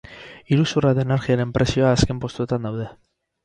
Iruzurra eta energiaren prezioa azken postuetan daude.